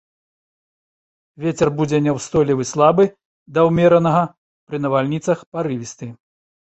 Вецер будзе няўстойлівы слабы да ўмеранага, пры навальніцах парывісты.